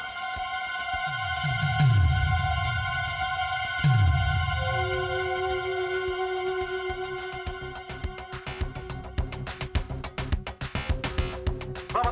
ibu mates bala malam